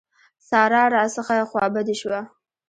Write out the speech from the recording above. سارا راڅخه خوابدې شوه.